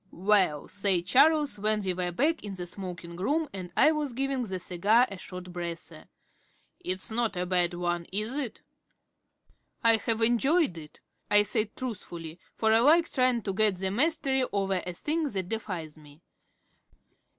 "Well," said Charles, when we were back in the smoking room and I was giving the cigar a short breather, "it's not a bad one, is it?" "I have enjoyed it," I said truthfully, for I like trying to get the mastery over a thing that defies me.